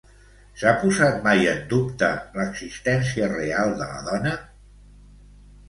S'ha posat mai en dubte l'existència real de la dona?